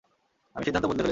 আমি সিদ্ধান্ত বদলে ফেলেছি।